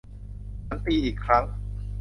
ฉันตีอีกครั้ง